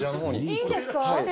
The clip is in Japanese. いいんですか？